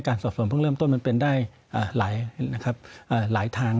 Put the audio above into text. การสอบสมพังเริ่มต้นมันเป็นได้หลายทาง